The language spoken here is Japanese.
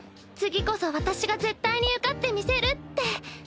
次こそ私が絶対に受かってみせるって。